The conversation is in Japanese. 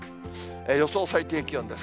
予想最低気温です。